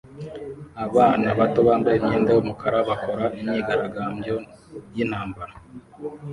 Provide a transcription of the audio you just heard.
Abana bato bambaye imyenda yumukara bakora imyigaragambyo yintambara